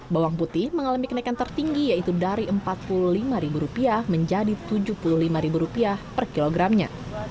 bawang putih mengalami kenaikan tertinggi yaitu dari rp empat puluh lima menjadi rp tujuh puluh lima per kilogramnya